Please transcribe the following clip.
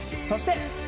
そして。